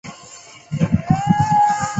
陈桓是越南音乐家。